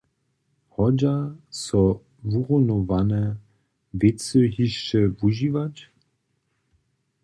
Hodźa so wurumowane wěcy hišće wužiwać?